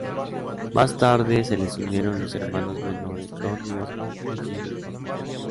Más tarde se les unieron los hermanos menores Donny Osmond y Jimmy Osmond.